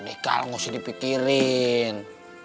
boleh kalah gak usah dipikirin